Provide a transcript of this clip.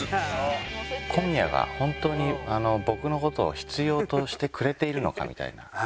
小宮が本当に僕の事を必要としてくれているのかみたいな。